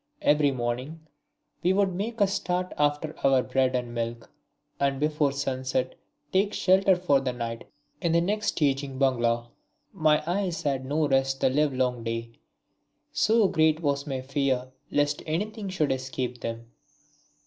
Every morning we would make a start after our bread and milk, and before sunset take shelter for the night in the next staging bungalow. My eyes had no rest the livelong day, so great was my fear lest anything should escape them.